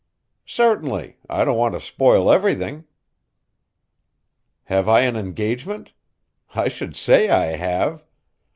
Certainly, I don't want to spoil everything. Have I an engagement? I should say I have.